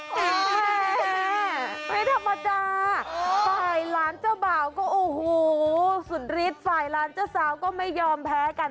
ว้าไม่ธรรมดาฝ่ายล้านเจ้าเบาก็สุดฤทธิ์ฝ่ายล้านเจ้าสาวก็ไม่ยอมแพ้กัน